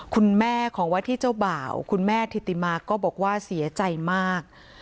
คุณแม่ของวาที่เจ้าบ่าวคุณแม่ธิติมาก็บอกว่าเสียใจมาก